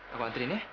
aku anterin ya